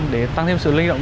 để tăng thêm sự linh động